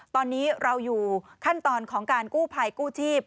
ตอนนี้เราอยู่ขั้นตอนของการกู้ภัยกู้ชีพ